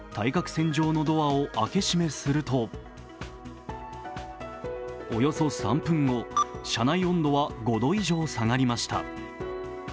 線上のドアを開け閉めすると、およそ３分後車内温度は５度以上下がりました。